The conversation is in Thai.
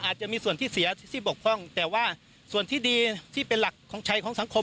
อาจจะมีส่วนที่เสียที่บกพร่องแต่ว่าส่วนที่ดีที่เป็นหลักของชัยของสังคม